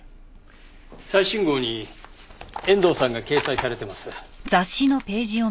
最新号に遠藤さんが掲載されてます。